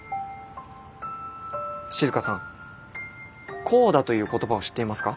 静さんコーダという言葉を知っていますか？